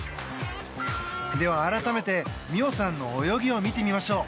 では改めて、実生さんの泳ぎを見てみましょう。